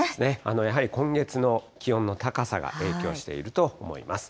やはり今月の気温の高さが影響していると思います。